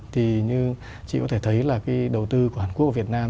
thì như chị có thể thấy là cái đầu tư của hàn quốc và việt nam